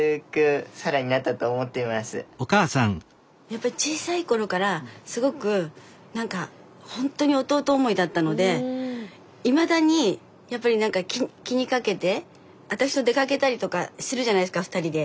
だけど小さい頃からすごくほんとに弟思いだったのでいまだに気にかけて私と出かけたりとかするじゃないですか２人で。